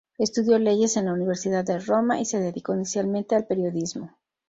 Estudió leyes en la Universidad de Roma, y se dedicó inicialmente al periodismo.